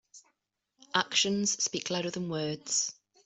Actions speak louder than words.